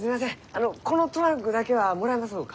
あのこのトランクだけはもらえますろうか？